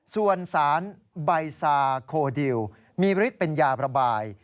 ส่วนสารใบซาโคดิวมีฤทธิ์เป็นยาประบาย